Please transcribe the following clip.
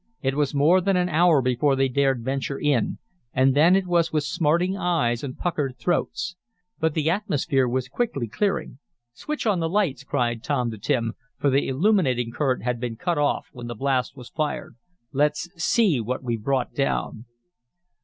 It was more than an hour before they dared venture in, and then it was with smarting eyes and puckered throats. But the atmosphere was quickly clearing. "Switch on the lights," cried Tom to Tim, for the illuminating current had been cut off when the blast was fired. "Let's see what we've brought down."